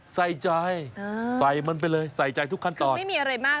ใส่ใจใส่มันไปเลยใส่ใจทุกขั้นตอนไม่มีอะไรมาก